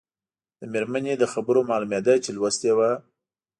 د مېرمنې له خبرو معلومېده چې لوستې وه.